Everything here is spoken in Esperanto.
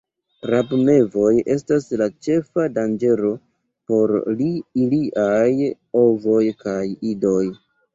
Rabmevoj estas la ĉefa danĝero por iliaj ovoj kaj idoj.